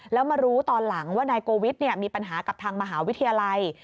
แล้วมารู้ตอนหลังว่านายโกวิทมีปัญหากับทางมหาวิทยาลัย